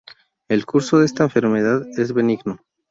El curso de esta enfermedad es benigno.